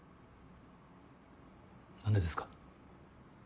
何でですか？